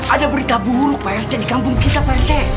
ada berita buruk prt di kampung kita prt